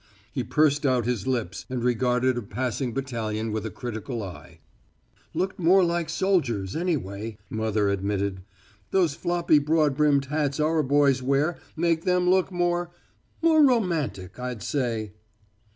He pursed out his lips and regarded a passing battalion with a critical eye. "Looked more like soldiers, anyway," mother admitted. "Those floppy, broad brimmed hats our boys wear make them look more more romantic, I'd say."